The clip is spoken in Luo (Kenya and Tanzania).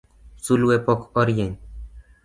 Sulwe pok orieny.